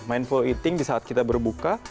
mindful ething di saat kita berbuka